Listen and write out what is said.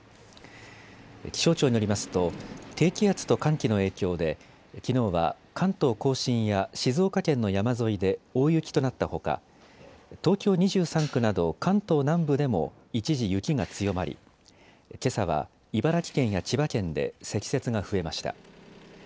気象庁によりますと、低気圧と寒気の影響できのうは関東甲信や静岡県の山沿いで大雪となったほか東京２３区など関東南部でも一時、雪が強まりけさは茨城県や千葉県で積雪が増えました。